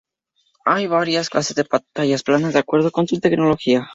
Hay varias clases de pantallas planas de acuerdo con su tecnología.